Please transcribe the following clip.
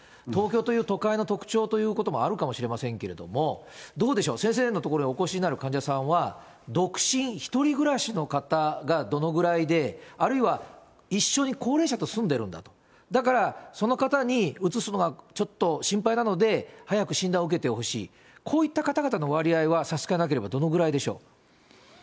東京という都会の特徴ということもあるかもしれませんけれども、どうでしょう、先生の所へお越しになる患者さんは、独身、１人暮らしの方がどのぐらいで、あるいは一緒に高齢者と住んでるんだと、だからその方にうつすのがちょっと心配なので、早く診断を受けてほしい、こういった方々の割合は、差し支えなければ、どのくらいでしょう。